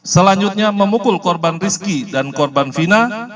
selanjutnya memukul korban rizki dan korban fina